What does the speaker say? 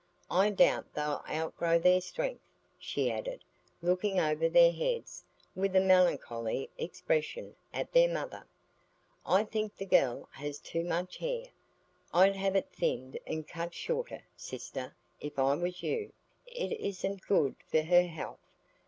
I doubt they'll outgrow their strength," she added, looking over their heads, with a melancholy expression, at their mother. "I think the gell has too much hair. I'd have it thinned and cut shorter, sister, if I was you; it isn't good for her health.